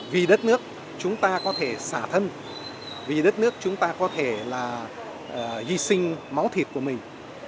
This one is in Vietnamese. vì đất nước chúng ta có thể xả thân vì đất nước chúng ta có thể là hy sinh máu thịt của mình